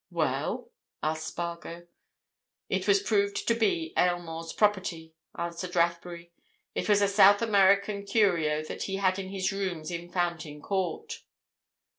"Well?" asked Spargo. "It was proved to be Aylmore's property," answered Rathbury. "It was a South American curio that he had in his rooms in Fountain Court."